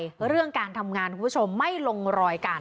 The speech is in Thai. เพราะเรื่องการทำงานคุณผู้ชมไม่ลงรอยกัน